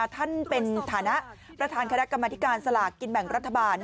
ท่านเป็นฐานะประธานคณะกรรมธิการสลากกินแบ่งรัฐบาล